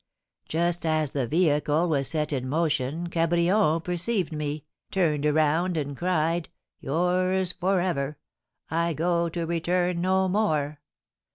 "Just as the vehicle was set in motion Cabrion perceived me, turned around, and cried,'Yours for ever! I go to return no more.'